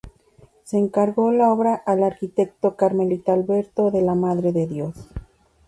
Se encargó la obra al arquitecto carmelita Alberto de la Madre de Dios.